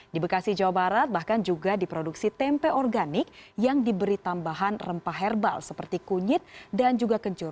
di bekasi jawa barat bahkan juga diproduksi tempe organik yang diberi tambahan rempah herbal seperti kunyit dan juga kencur